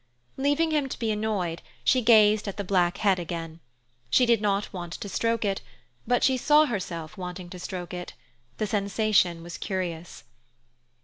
Leaving him to be annoyed, she gazed at the black head again. She did not want to stroke it, but she saw herself wanting to stroke it; the sensation was curious.